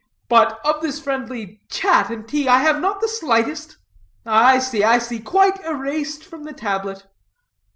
"But, of this friendly chat and tea, I have not the slightest " "I see, I see; quite erased from the tablet.